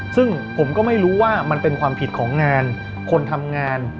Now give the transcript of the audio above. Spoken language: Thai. ซึ่งผมก็ไม่รู้ว่ามันเป็นความผิดของงานคนทำงาน